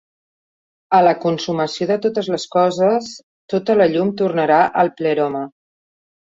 A la consumació de totes les coses tota la llum tornarà al Pleroma.